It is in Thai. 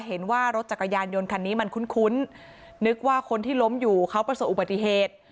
เห็นว่ารถจักรยานยนต์คันนี้มันคุ้นนึกว่าคนที่ล้มอยู่เขาประสบอุบัติเหตุ